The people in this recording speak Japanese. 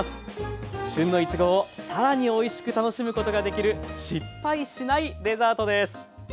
旬のいちごを更においしく楽しむことができる失敗しないデザートです。